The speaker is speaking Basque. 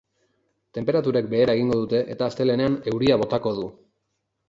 Tenperaturek behera egingo dute eta astelehenean euria botako du.